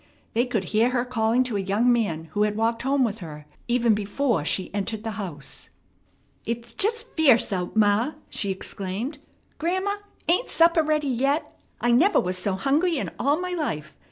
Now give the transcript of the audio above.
They could hear her calling to a young man who had walked home with her, even before she entered the house. "It's just fierce out, ma!" she exclaimed. "Grandma, ain't supper ready yet? I never was so hungry in all my life.